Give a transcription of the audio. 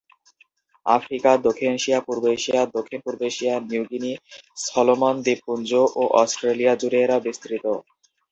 Africa, দক্ষিণ Asia, পূর্ব Asia, দক্ষিণ-পূর্ব এশিয়া, নিউগিনি, সলোমন দ্বীপপুঞ্জ ও অস্ট্রেলিয়া জুড়ে এরা বিস্তৃত।